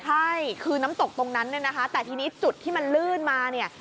ใช่คือน้ำตกตรงนั้นเนี่ยนะคะแต่ทีนี้จุดที่มันลื่นมาเนี่ย